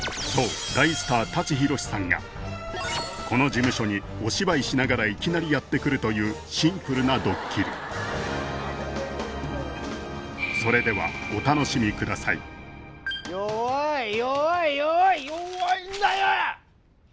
そう大スター舘ひろしさんがこの事務所にお芝居しながらいきなりやってくるというシンプルなドッキリ弱い弱い弱い弱いんだよ！